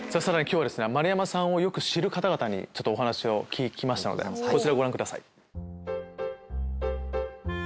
さらに今日は丸山さんをよく知る方々にちょっとお話を聞きましたのでこちらをご覧ください。